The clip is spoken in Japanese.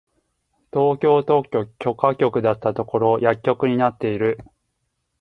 東京特許許可局だったところ薬局になってる！